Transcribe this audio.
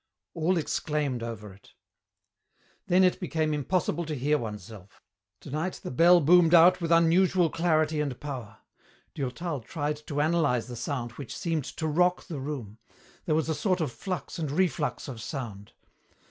All exclaimed over it. Then it became impossible to hear oneself. Tonight the bell boomed out with unusual clarity and power. Durtal tried to analyze the sound which seemed to rock the room. There was a sort of flux and reflux of sound.